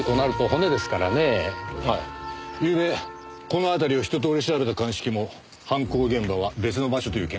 ゆうべこの辺りを一通り調べた鑑識も犯行現場は別の場所という見解でしたよね。